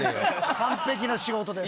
完璧な仕事です。